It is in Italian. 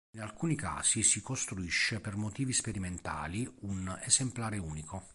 In alcuni casi si costruisce per motivi sperimentali un esemplare unico.